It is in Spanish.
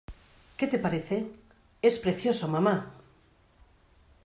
¿ Qué te parece? ¡ es precioso, mamá!